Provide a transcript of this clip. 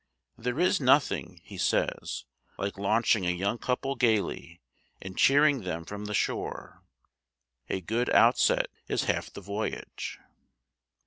"There is nothing," he says, "like launching a young couple gaily, and cheering them from the shore; a good outset is half the voyage."